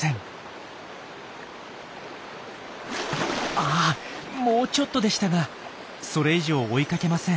あもうちょっとでしたがそれ以上追いかけません。